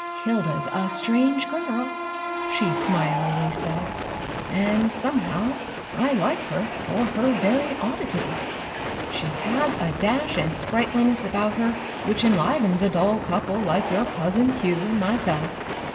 *' Hilda's a strange girl," she smilingly said ;and somehow I like her for her very oddity. She has a dash and sprightliness about her which enliven^ a dull couple like your cousin Hugh and myself.